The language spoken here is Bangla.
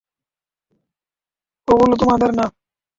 ওগুলো তোমাদের না।